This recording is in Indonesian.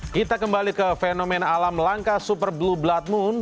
kita kembali ke fenomena alam langka super blue blood moon